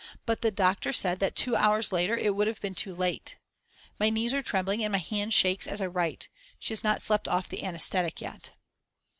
But the doctors said that 2 hours later it would have been too late. My knees are trembling and my hand shakes as I write. She has not slept off the anisthetic yet.